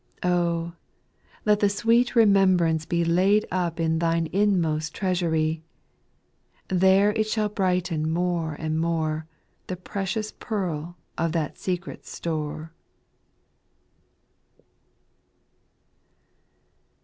4. Oh ! let the sweet remembrance be Laid up in thine inmost treasury, There it shall brighten more and more. The most precious pearl of that secret store.